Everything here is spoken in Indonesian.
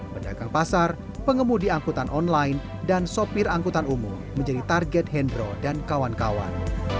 pedagang pasar pengemudi angkutan online dan sopir angkutan umum menjadi target hendro dan kawan kawan